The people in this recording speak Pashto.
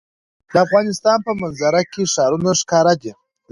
د افغانستان په منظره کې ښارونه ښکاره ده.